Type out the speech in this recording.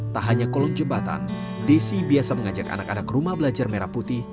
tak hanya kolong jembatan desi biasa mengajak anak anak rumah belajar merah putih